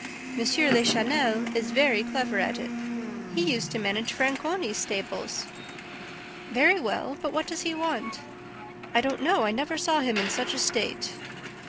M. Lachenel is very clever at it. He used to manage Franconi's stables." "Very well ... but what does he want?" "I don't know; I never saw him in such a state."